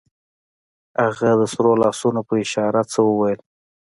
هغې د سرو لاسونو په اشارو څه وويل.